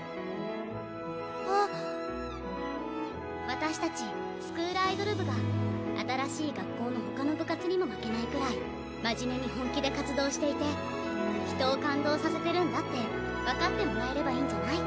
私たちスクールアイドル部が新しい学校の他の部活にも負けないくらい真面目に本気で活動していて人を感動させてるんだって分かってもらえればいいんじゃない？